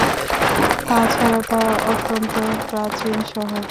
তাছাড়া তা অত্যন্ত প্রাচীন শহর।